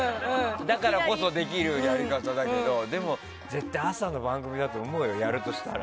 だからこそできるやり方だけどでも、朝の番組だと思うよやるとしたら。